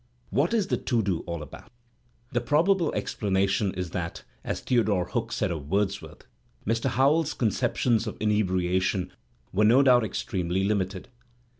What is the to do all about? The probable explanation is that, as Theodore Hook said of Wordsworth, Mr. Howells's "conceptions of inebriation were no doubt extremely limited."